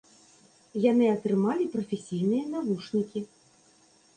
Яны атрымалі прафесійныя навушнікі.